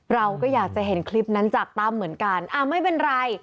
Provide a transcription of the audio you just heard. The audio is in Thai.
เราก็อยากจะเห็นคลิปนั้นจากตั้มเหมือนกันอ่าไม่เป็นไร